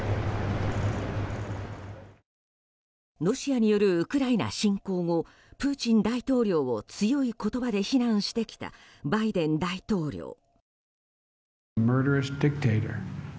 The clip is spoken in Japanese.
ロシアによるウクライナ侵攻後プーチン大統領を強い言葉で非難してきたバイデン大統領。